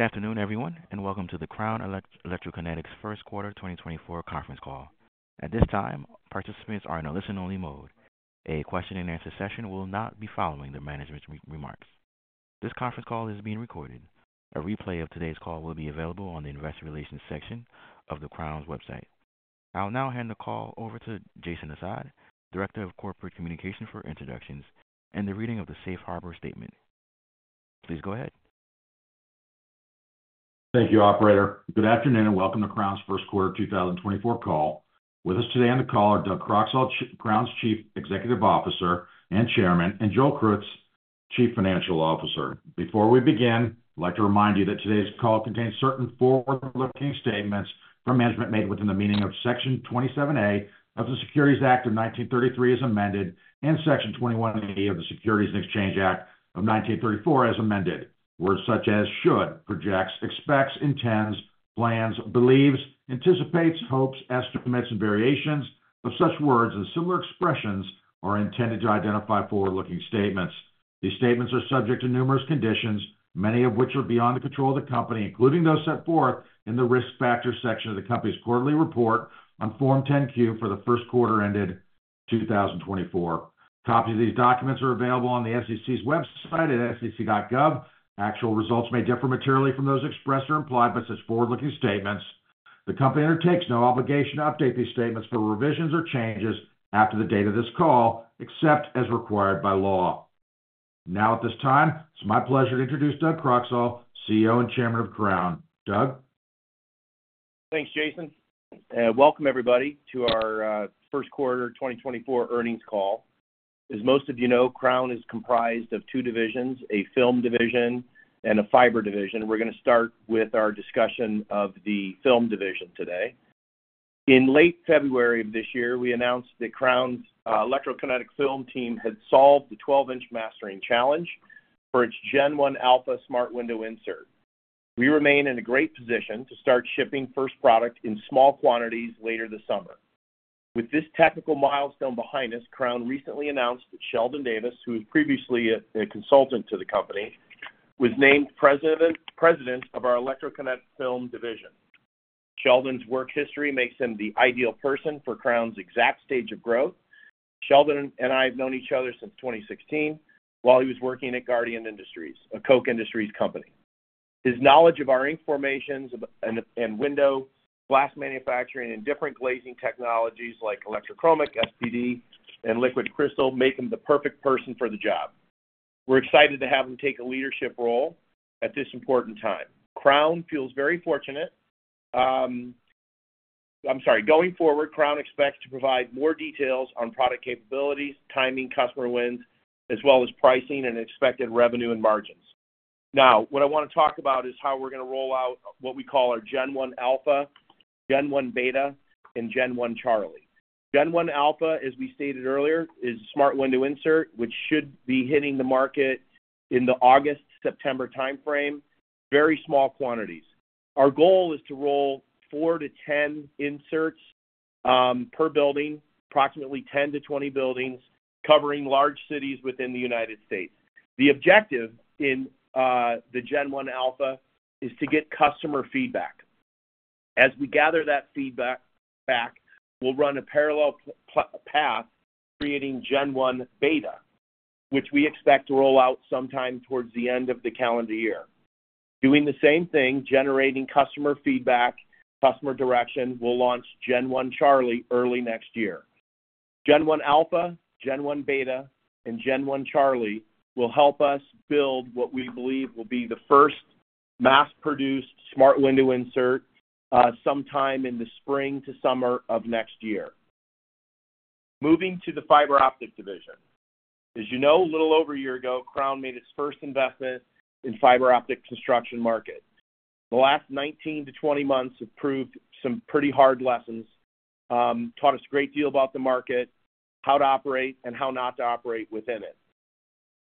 Good afternoon, everyone, and welcome to the Crown Electrokinetics first quarter 2024 conference call. At this time, participants are in a listen-only mode. A question and answer session will not be following the management remarks. This conference call is being recorded. A replay of today's call will be available on the Investor Relations section of the Crown's website. I'll now hand the call over to Jason Assad, Director of Corporate Communications, for introductions and the reading of the Safe Harbor statement. Please go ahead. Thank you, operator. Good afternoon, and welcome to Crown's first quarter 2024 call. With us today on the call are Doug Croxall, Crown's Chief Executive Officer and Chairman, and Joel Krutz, Chief Financial Officer. Before we begin, I'd like to remind you that today's call contains certain forward-looking statements from management made within the meaning of Section 27A of the Securities Act of 1933, as amended, and Section 21E of the Securities Exchange Act of 1934, as amended. Words such as should, projects, expects, intends, plans, believes, anticipates, hopes, estimates, and variations of such words and similar expressions are intended to identify forward-looking statements. These statements are subject to numerous conditions, many of which are beyond the control of the company, including those set forth in the risk factors section of the company's quarterly report on Form 10-Q for the first quarter ended 2024. Copies of these documents are available on the SEC's website at sec.gov. Actual results may differ materially from those expressed or implied by such forward-looking statements. The company undertakes no obligation to update these statements for revisions or changes after the date of this call, except as required by law. Now, at this time, it's my pleasure to introduce Doug Croxall, CEO and Chairman of Crown. Doug? Thanks, Jason, and welcome everybody to our first quarter 2024 earnings call. As most of you know, Crown is comprised of two divisions, a film division and a fiber division. We're gonna start with our discussion of the film division today. In late February of this year, we announced that Crown's Electrokinetic Film team had solved the 12-inch mastering challenge for its Gen 1 Alpha smart window insert. We remain in a great position to start shipping first product in small quantities later this summer. With this technical milestone behind us, Crown recently announced that Sheldon Davis, who was previously a consultant to the company, was named president of our Electrokinetic Film division. Sheldon's work history makes him the ideal person for Crown's exact stage of growth. Sheldon and I have known each other since 2016 while he was working at Guardian Industries, a Koch Industries company. His knowledge of our ink formulations and window glass manufacturing and different glazing technologies like electrochromic, SPD, and liquid crystal make him the perfect person for the job. We're excited to have him take a leadership role at this important time. Crown feels very fortunate. Going forward, Crown expects to provide more details on product capabilities, timing, customer wins, as well as pricing and expected revenue and margins. Now, what I wanna talk about is how we're gonna roll out what we call our Gen 1 Alpha, Gen 1 Beta, and Gen 1 Charlie. Gen 1 Alpha, as we stated earlier, is a smart window insert, which should be hitting the market in the August, September timeframe, very small quantities. Our goal is to roll 4-10 inserts per building, approximately 10-20 buildings, covering large cities within the United States. The objective in the Gen 1 Alpha is to get customer feedback. As we gather that feedback back, we'll run a parallel path to creating Gen 1 Beta, which we expect to roll out sometime towards the end of the calendar year. Doing the same thing, generating customer feedback, customer direction, we'll launch Gen 1 Charlie early next year. Gen 1 Alpha, Gen 1 Beta, and Gen 1 Charlie will help us build what we believe will be the first mass-produced smart window insert sometime in the spring to summer of next year. Moving to the fiber optic division. As you know, a little over a year ago, Crown made its first investment in fiber optic construction market. The last 19-20 months have proved some pretty hard lessons, taught us a great deal about the market, how to operate, and how not to operate within it.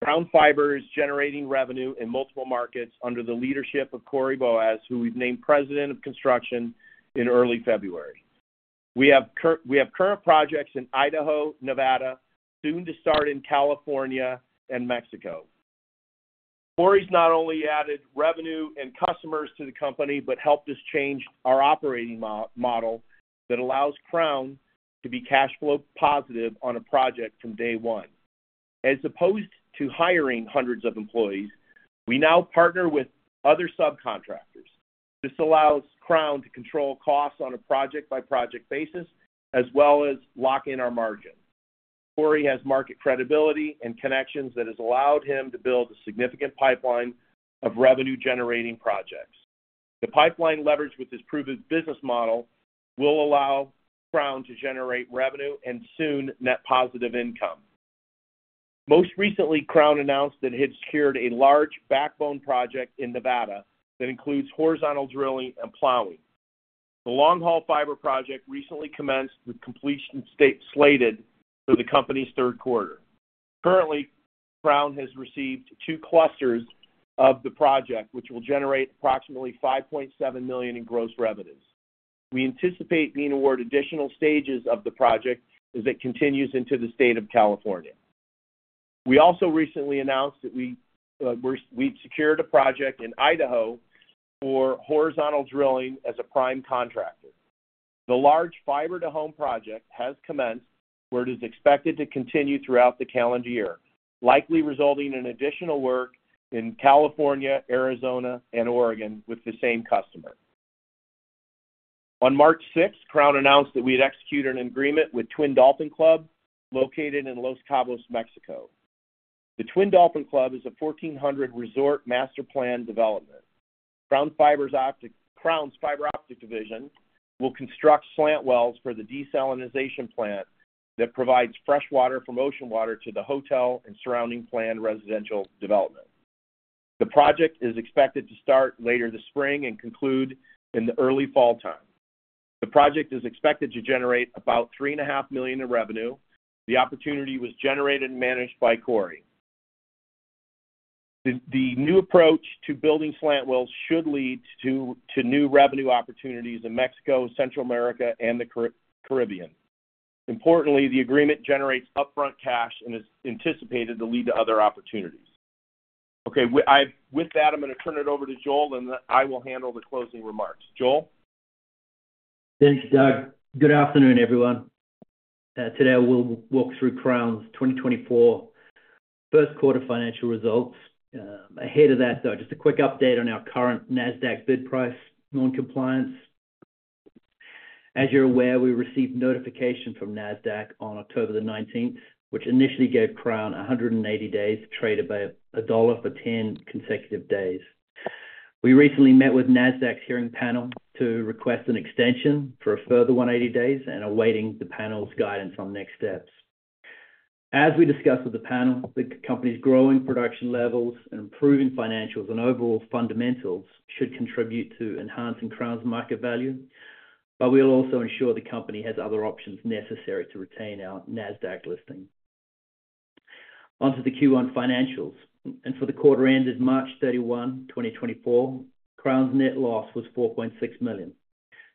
Crown Fiber is generating revenue in multiple markets under the leadership of Corey Boaz, who we've named President of Construction in early February. We have current projects in Idaho, Nevada, soon to start in California and Mexico. Corey's not only added revenue and customers to the company, but helped us change our operating model that allows Crown to be cash flow positive on a project from day one. As opposed to hiring hundreds of employees, we now partner with other subcontractors. This allows Crown to control costs on a project-by-project basis, as well as lock in our margin. Corey has market credibility and connections that has allowed him to build a significant pipeline of revenue-generating projects. The pipeline leverage with this proven business model will allow Crown to generate revenue and soon net positive income. Most recently, Crown announced that it had secured a large backbone project in Nevada that includes horizontal drilling and plowing. The long-haul fiber project recently commenced, with completion slated for the company's third quarter. Currently, Crown has received two clusters of the project, which will generate approximately $5.7 million in gross revenues. We anticipate being awarded additional stages of the project as it continues into the state of California. We also recently announced that we've secured a project in Idaho for horizontal drilling as a prime contractor. The large fiber-to-home project has commenced, where it is expected to continue throughout the calendar year, likely resulting in additional work in California, Arizona, and Oregon with the same customer. On March sixth, Crown announced that we had executed an agreement with Twin Dolphin Club, located in Los Cabos, Mexico. The Twin Dolphin Club is a 1,400 resort master plan development. Crown's fiber optic division will construct slant wells for the desalination plant that provides fresh water from ocean water to the hotel and surrounding planned residential development. The project is expected to start later this spring and conclude in the early fall time. The project is expected to generate about $3.5 million in revenue. The opportunity was generated and managed by Corey. The new approach to building slant wells should lead to new revenue opportunities in Mexico, Central America, and the Caribbean. Importantly, the agreement generates upfront cash and is anticipated to lead to other opportunities. Okay, with that, I'm gonna turn it over to Joel, and then I will handle the closing remarks. Joel? Thanks, Doug. Good afternoon, everyone. Today I will walk through Crown's 2024 first quarter financial results. Ahead of that, though, just a quick update on our current Nasdaq bid price non-compliance. As you're aware, we received notification from Nasdaq on October 19, which initially gave Crown 180 days to trade above $1 for 10 consecutive days. We recently met with Nasdaq's hearing panel to request an extension for a further 180 days and are awaiting the panel's guidance on next steps. As we discussed with the panel, the company's growing production levels and improving financials and overall fundamentals should contribute to enhancing Crown's market value, but we'll also ensure the company has other options necessary to retain our Nasdaq listing. Onto the Q1 financials, and for the quarter ended March 31, 2024, Crown's net loss was $4.6 million.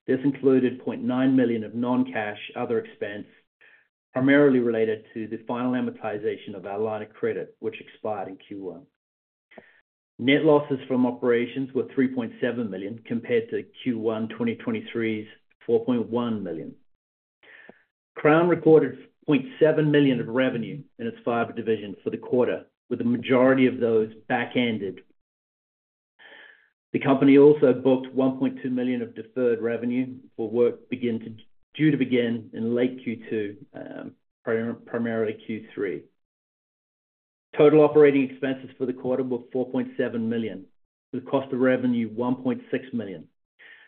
This included $0.9 million of non-cash other expense, primarily related to the final amortization of our line of credit, which expired in Q1. Net losses from operations were $3.7 million, compared to Q1 2023's $4.1 million. Crown recorded $0.7 million of revenue in its fiber division for the quarter, with the majority of those backended. The company also booked $1.2 million of deferred revenue for work due to begin in late Q2, primarily Q3. Total operating expenses for the quarter were $4.7 million, with cost of revenue $1.6 million.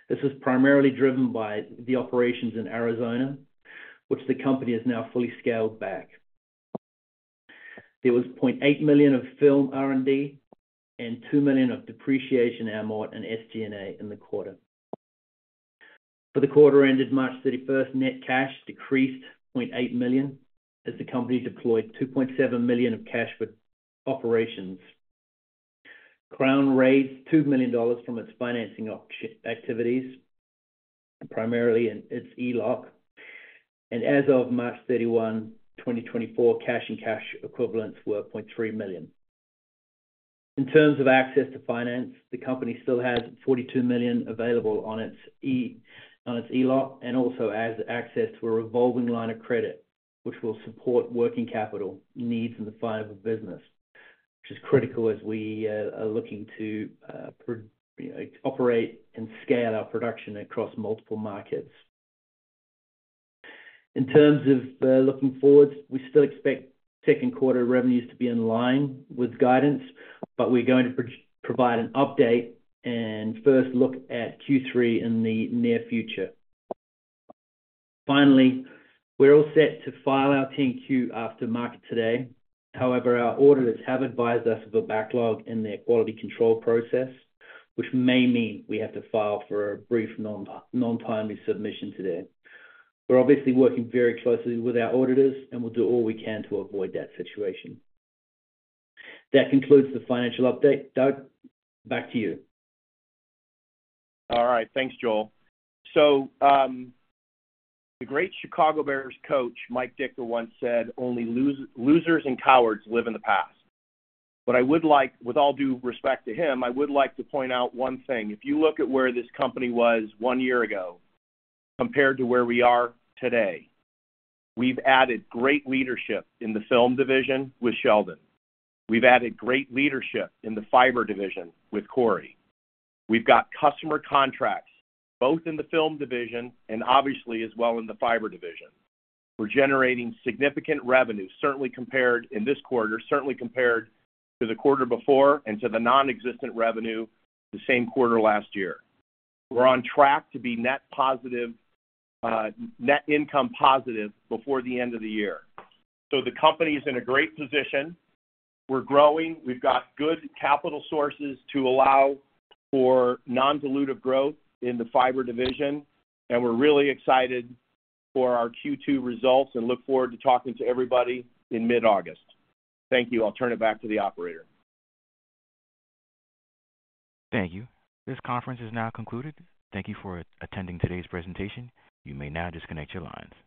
This was primarily driven by the operations in Arizona, which the company has now fully scaled back. There was $0.8 million of film R&D and $2 million of depreciation, amortization, and SG&A in the quarter. For the quarter ended March 31, net cash decreased $0.8 million, as the company deployed $2.7 million of cash with operations. Crown raised $2 million from its financing activities, primarily in its ELOC. As of March 31, 2024, cash and cash equivalents were $0.3 million. In terms of access to finance, the company still has $42 million available on its ELOC, and also has access to a revolving line of credit, which will support working capital needs in the fiber business, which is critical as we are looking to you know, operate and scale our production across multiple markets. In terms of looking forward, we still expect second quarter revenues to be in line with guidance, but we're going to provide an update and first look at Q3 in the near future. Finally, we're all set to file our 10-Q after market today. However, our auditors have advised us of a backlog in their quality control process, which may mean we have to file for a brief non-timely submission today. We're obviously working very closely with our auditors, and we'll do all we can to avoid that situation. That concludes the financial update. Doug, back to you. All right. Thanks, Joel. So, the great Chicago Bears coach, Mike Ditka, once said, "Only losers and cowards live in the past." But I would like, with all due respect to him, I would like to point out one thing. If you look at where this company was one year ago compared to where we are today, we've added great leadership in the film division with Sheldon. We've added great leadership in the fiber division with Corey. We've got customer contracts, both in the film division and obviously as well in the fiber division. We're generating significant revenue, certainly compared in this quarter, certainly compared to the quarter before and to the non-existent revenue the same quarter last year. We're on track to be net positive, net income positive before the end of the year. So the company is in a great position. We're growing. We've got good capital sources to allow for non-dilutive growth in the fiber division, and we're really excited for our Q2 results and look forward to talking to everybody in mid-August. Thank you. I'll turn it back to the operator. Thank you. This conference is now concluded. Thank you for attending today's presentation. You may now disconnect your lines.